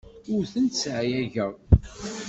Ur tent-sseɛyayeɣ.